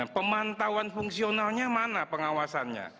pemantauan fungsionalnya mana pengawasannya